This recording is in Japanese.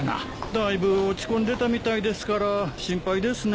だいぶ落ち込んでたみたいですから心配ですね。